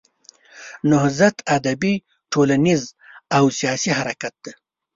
نهضت ادبي، ټولنیز او سیاسي حرکت دی.